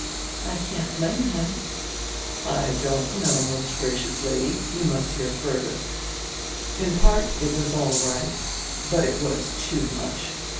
"I can't blame him." "I don't know, most gracious Lady. You must hear furtiier. In part it was all right, but it was too much.